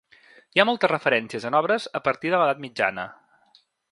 Hi ha moltes referències en obres a partir de l'edat mitjana.